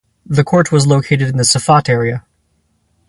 The court was located in the Safat area.